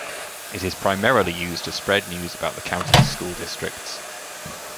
It is primarily used to spread news about the county's school districts.